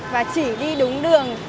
và chỉ đi đúng đường